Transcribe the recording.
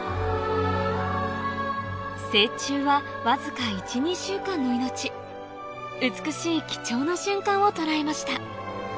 成虫はわずか１２週間の命美しい貴重な瞬間を捉えました